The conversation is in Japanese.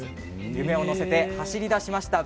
夢を乗せて走り出しました。